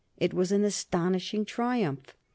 It was an astonishing triumph.